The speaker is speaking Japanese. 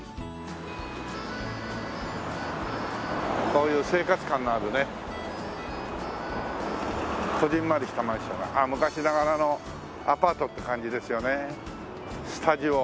こういう生活感のあるねこぢんまりしたマンションが昔ながらのアパートって感じですよね。